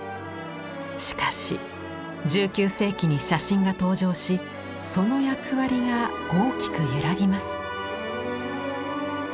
しかし１９世紀に写真が登場しその役割が大きく揺らぎます。